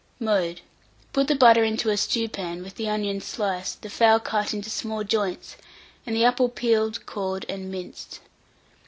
Mode. Put the butter into a stewpan, with the onions sliced, the fowl cut into small joints, and the apple peeled, cored, and minced.